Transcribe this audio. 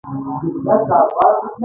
غریب د امید نغمه ده